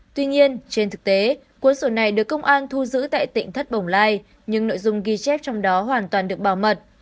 tuy nhiên trên thực tế cuốn sổ này được công an thu giữ tại tỉnh thất bồng lai nhưng nội dung ghi chép trong đó hoàn toàn được bảo mật